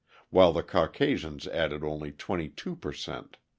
while the Caucasians added only 22 per cent.